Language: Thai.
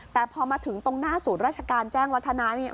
แต่พอมาถึงตรงหน้าศูนย์ราชการแจ้งวัฒนาเนี่ย